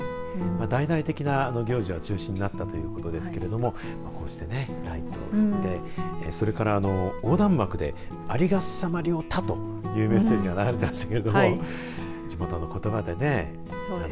大々的な行事は中止になったということですけどこうしてライトを振ってそれから、横断幕でありがっさまりょうた、というメッセージが流れてましたけど地元のことばでね。